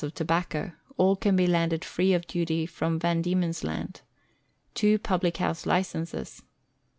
of tobacco all can be landed free of^j duty from Van Diemen's Land ...> 360 0* Two public house licenses